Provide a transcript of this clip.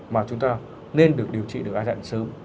mà chúng ta nên được điều trị được giai đoạn sớm